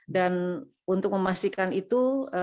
dan untuk memastikan itu